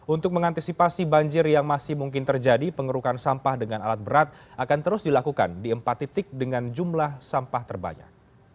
untuk mengantisipasi banjir yang masih mungkin terjadi pengerukan sampah dengan alat berat akan terus dilakukan di empat titik dengan jumlah sampah terbanyak